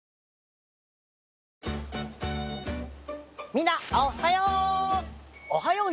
みんなおはよう！